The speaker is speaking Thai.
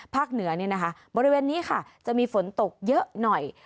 เหนือนี่นะคะบริเวณนี้ค่ะจะมีฝนตกเยอะหน่อย